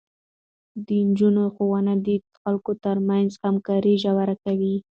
د نجونو ښوونه د خلکو ترمنځ همکاري ژوره کوي.